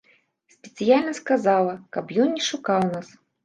Спецыяльна сказала, каб ён не шукаў нас.